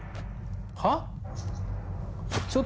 はっ？